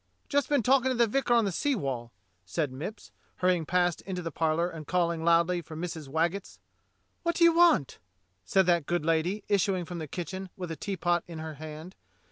"Just been talkin' to the vicar on the sea wall," said Mipps, hurrying past into the parlour and calling loudly for Mrs. Waggetts. "What do you want?" said that good lady, issuing from the kitchen with a teapot in her hand.